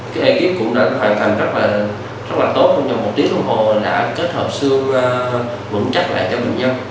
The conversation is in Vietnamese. thì cái ekip cũng đã hoàn thành rất là tốt trong một tiếng đồng hồ đã kết hợp xương vững chắc lại cho bệnh nhân